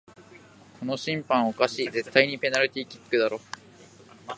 この審判おかしい、絶対にペナルティーキックだろ